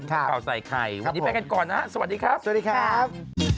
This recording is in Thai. ครับวันนี้ไปกันก่อนนะสวัสดีครับสวัสดีครับ